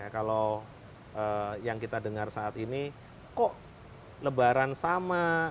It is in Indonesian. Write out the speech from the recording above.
kalau yang kita dengar saat ini kok lebaran sama